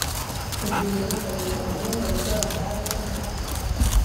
igihe wigarurirwaga n ingabo z Abadage mu mwaka wa